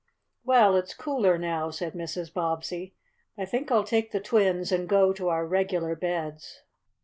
"Well, it's cooler now," said Mrs. Bobbsey. "I think I'll take the twins and go to our regular beds."